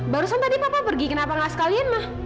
barusan tadi papa pergi kenapa enggak sekalian ma